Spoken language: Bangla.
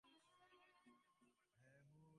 তুমি বিভাকে শীঘ্র তাহার শ্বশুরবাড়ি পাঠাইয়া দাও।